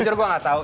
jujur gue gak tau